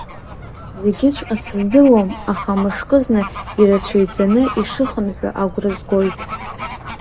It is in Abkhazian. Зегьыҵәҟьа сыздыруам, аха мышкызны ирацәаҩӡаны ишыхынҳәуа агәра згоит.